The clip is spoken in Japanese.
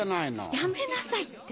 やめなさいって！